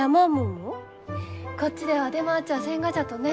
こっちでは出回っちゃあせんがじゃとね。